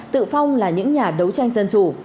tự phong là những nhà đấu tranh dân chủ